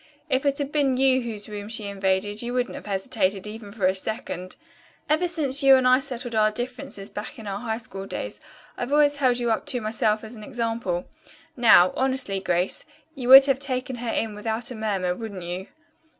If it had been you whose room she invaded you wouldn't have hesitated even for a second. Ever since you and I settled our differences back in our high school days I've always held you up to myself as an example. Now, honestly, Grace, you would have taken her in without a murmur, wouldn't you?"